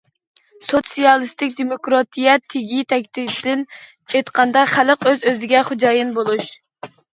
سوتسىيالىستىك دېموكراتىيە، تېگى- تەكتىدىن ئېيتقاندا، خەلق ئۆز- ئۆزىگە خوجايىن بولۇش.